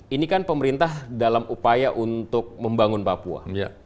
ini kan pemerintah dalam upaya untuk membangun papua